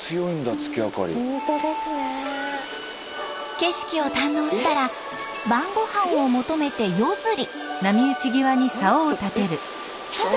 景色を堪能したら晩ごはんを求めて夜釣り。